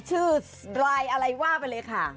ชื่อรายอะไรว่าไปเลยค่ะ